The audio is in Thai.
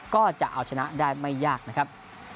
ก็จะเอาชนะได้ไม่ยากนะครับ